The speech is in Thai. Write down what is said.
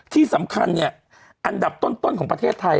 ที่สำคัญเนี่ยอันดับต้นของประเทศไทย